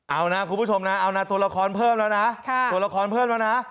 เอานะคุณผู้ชมนะเอานะตัวละครเพิ่มแล้วนะตัวละครเพิ่มแล้วนะ